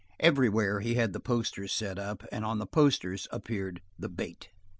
Everywhere he had the posters set up and on the posters appeared the bait.